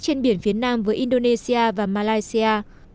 trên biển phía nam với indonesia và malaysia